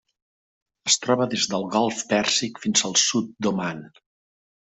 Es troba des del Golf Pèrsic fins al sud d'Oman.